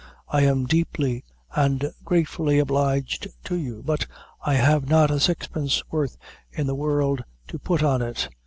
I am deeply and gratefully obliged to you; but I have not a sixpence worth in the world to put on it.